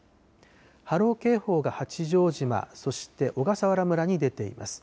波浪警報が八丈島、そして小笠原村に出ています。